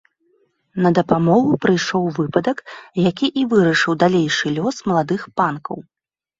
На дапамогу прыйшоў выпадак, які і вырашыў далейшы лёс маладых панкаў.